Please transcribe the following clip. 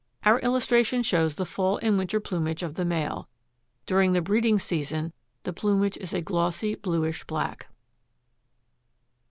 Our illustration shows the fall and winter plumage of the male. During the breeding season the plumage is a glossy bluish black.